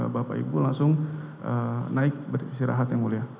bapak ibu langsung naik beristirahat yang mulia